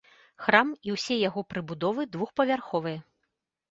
Храм і ўсе яго прыбудовы двухпавярховыя.